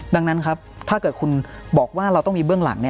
ดังนั้นครับถ้าเกิดคุณบอกว่าเราต้องมีเบื้องหลัง